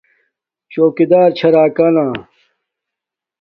چوکیدار چھا راکانا